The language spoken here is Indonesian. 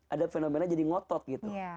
ada fenomena jadi ngotot gitu